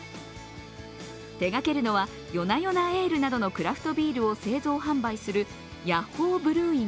手がけるのは、よなよなエールなどのクラフトビールを製造・販売するヤッホー